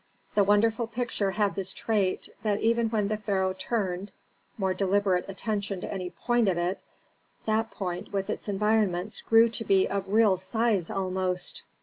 The wonderful picture had this trait, that when the Pharaoh turned more deliberate attention to any point of it, that point with its environments grew to be of real size almost.